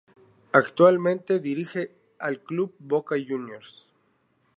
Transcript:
Actualmente dirige al club Boca Juniors.